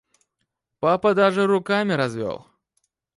Папа даже руками развел.